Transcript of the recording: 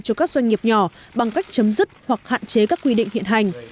cho các doanh nghiệp nhỏ bằng cách chấm dứt hoặc hạn chế các quy định hiện hành